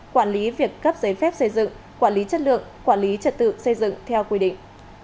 quản lý việc cấp giấy phép xây dựng quản lý chất lượng quản lý trật tự xây dựng theo quy định